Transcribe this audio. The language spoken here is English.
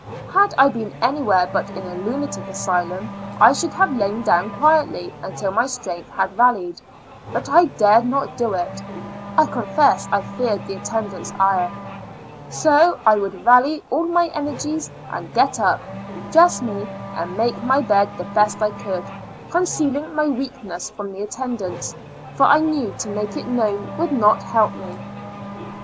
Had I been anywhere but in a lunatic asylum, I should have lain down quietly until my strength had rallied, but I dared not do it, (I confess I feared the attendants' ire), so I would rally all my energies and get up, dress me and make my bed the best I could, concealing my weakness from the attendants, for I knew to make it known would not help me.